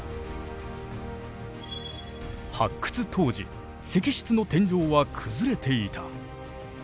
発掘当時石室の天井は崩れていた。